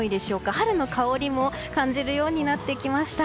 春の香りも感じるようになってきました。